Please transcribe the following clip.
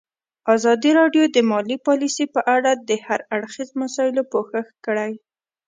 ازادي راډیو د مالي پالیسي په اړه د هر اړخیزو مسایلو پوښښ کړی.